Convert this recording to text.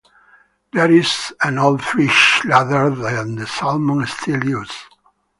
There is an old fish ladder that the salmon still use.